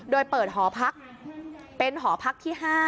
โดยเปิดหอพักเป็นหอพักที่๕